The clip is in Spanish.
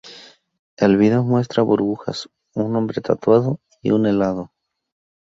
El vídeo muestra burbujas, un hombre tatuado y un helado.